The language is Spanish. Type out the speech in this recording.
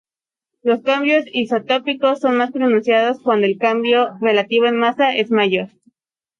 Los cambios isotópico son más pronunciados cuando el cambio relativo en masa es mayor.